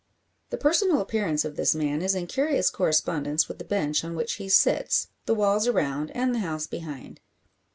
The personal appearance of this man is in curious correspondence with the bench on which he sits, the walls around, and the house behind.